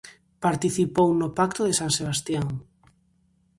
Participou no Pacto de San Sebastián.